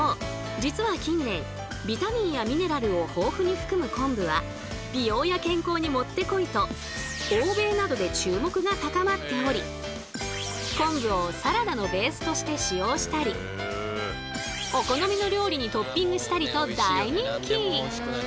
実は近年ビタミンやミネラルを豊富に含む昆布は美容や健康にもってこいと昆布をサラダのベースとして使用したりお好みの料理にトッピングしたりと大人気！